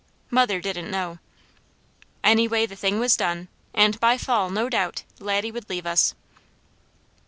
Mother didn't know. Anyway, the thing was done, and by fall, no doubt, Laddie would leave us.